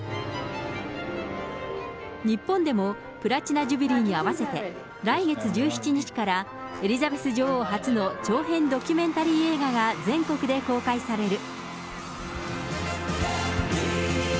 日本でもプラチナジュビリーに合わせて、来月１７日から、エリザベス女王初の長編ドキュメンタリー映画が全国で公開される。